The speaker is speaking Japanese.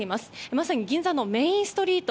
まさに銀座のメインストリート